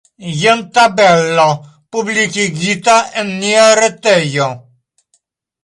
Jen tabelo, publikigita en nia retejo.